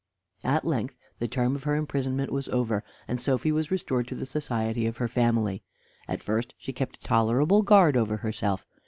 At length the term of her imprisonment was over, and Sophy was restored to the society of her family. At first she kept a tolerable guard over herself.